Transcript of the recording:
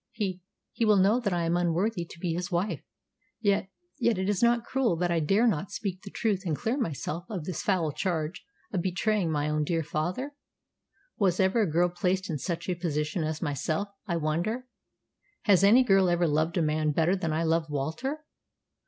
He he will know that I am unworthy to be his wife. Yet yet is it not cruel that I dare not speak the truth and clear myself of this foul charge of betraying my own dear father? Was ever a girl placed in such a position as myself, I wonder. Has any girl ever loved a man better than I love Walter?"